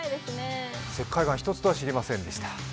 石灰岩１つとは知りませんでした。